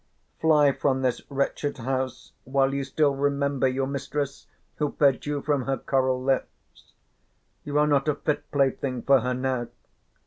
Fly from this wretched house while you still remember your mistress who fed you from her coral lips. You are not a fit plaything for her now.